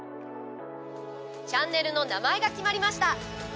チャンネルの名前が決まりました。